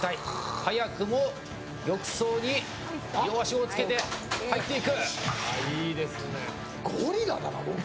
早くも浴槽に両足をつけて入っていく。